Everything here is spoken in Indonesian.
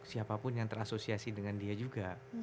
siapapun yang terasosiasi dengan dia juga